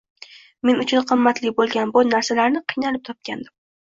Men uchun qimmatli bo’lgan bu narsalarni qiynalib topgandim.